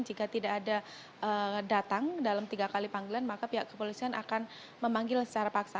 jika tidak ada datang dalam tiga kali panggilan maka pihak kepolisian akan memanggil secara paksa